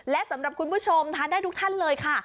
และสำหรับคุณผู้ชมทานได้ทุกท่านเลยค่ะ